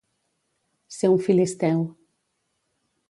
Ser un filisteu.